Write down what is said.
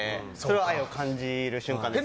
愛を感じる瞬間ですね。